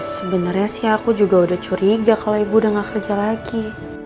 sebenarnya sih aku juga udah curiga kalau ibu udah gak kerja lagi